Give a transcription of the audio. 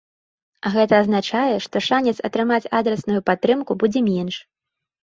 А гэта азначае, што шанец атрымаць адрасную падтрымку будзе менш.